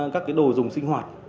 các cái đồ dùng sinh hoạt